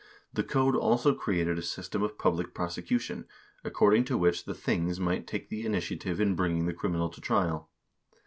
The code also created a system of public prosecution, according to which the things might take the initiative in bringing the criminal to trial.